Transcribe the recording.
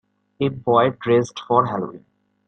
A boy dressed for Halloween